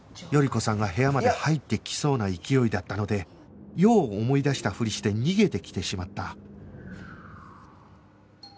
頼子さんが部屋まで入ってきそうな勢いだったので用を思い出したフリして逃げてきてしまった